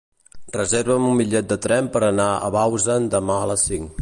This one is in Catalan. Reserva'm un bitllet de tren per anar a Bausen demà a les cinc.